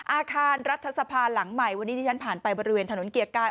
อาคารรัฐสภาหลังใหม่วันนี้ที่ฉันผ่านไปบริเวณถนนเกียรติการ